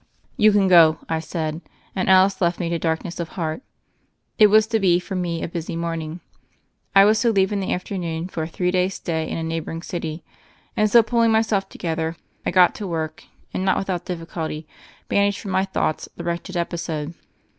"You can go," I said, and Alice left me to darkness of heart. It was to be for me a busy morning — I was to leave in the afternoon for a three days' stay in a neighboring city — and so, pulling myself together, I got to work, and, THE FAIRY OF THE SNOWS 175 not without difficulty, banished from my thoughts the wretched episode.